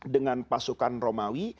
dengan pasukan romawi